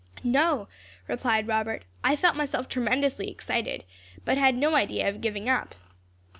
"No," replied Robert, "I felt myself tremendously excited, but had no idea of giving up."